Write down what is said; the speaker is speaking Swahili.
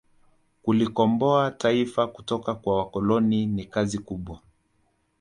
kulikomboa taifa kutoka kwa wakoloni ni kazi kubwa